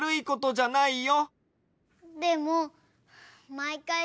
でもまいかい